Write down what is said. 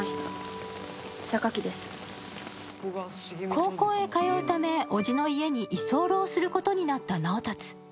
高校へ通うため、おじの家に居候することになった直達。